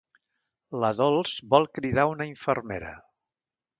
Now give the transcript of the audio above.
La Dols vol cridar una infermera.